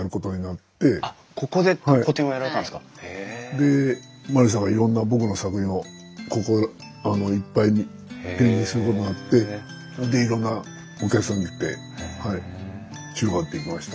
で万里さんがいろんな僕の作品をここいっぱいに展示することになってでいろんなお客さんが来てはい広がっていきました。